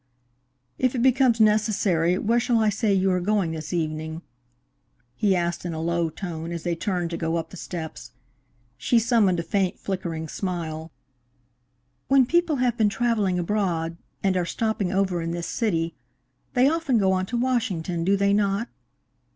"If it becomes necessary, where shall I say you are going this evening?" he asked in a low tone, as they turned to go up the steps. She summoned a faint, flickering smile. "When people have been travelling abroad and are stopping over in this city, they often go on to Washington, do they not?"